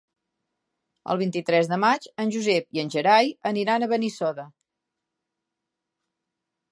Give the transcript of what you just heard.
El vint-i-tres de maig en Josep i en Gerai aniran a Benissoda.